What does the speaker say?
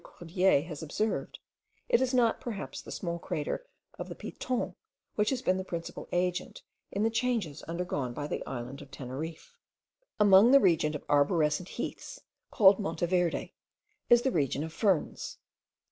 Cordier has observed, it is not perhaps the small crater of the Piton which has been the principal agent in the changes undergone by the island of Teneriffe. Above the region of arborescent heaths, called Monte Verde, is the region of ferns.